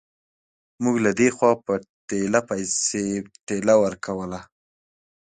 موږ له دې خوا په ټېله پسې ټېله ورکوله.